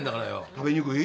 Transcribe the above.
食べにくい？